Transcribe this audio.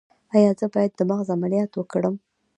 ایا زه باید د مغز عملیات وکړم؟